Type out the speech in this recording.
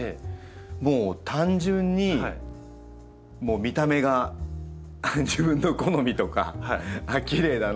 もう単純に見た目が自分の好みとかきれいだなとか。